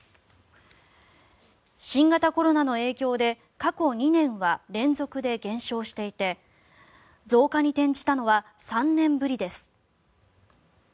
新型コロナの影響で過去２年は連続で減少していて増加に転じたのは３年ぶりです。